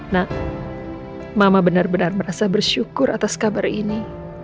nak mama benar benar merasa bersyukur atas kabar ini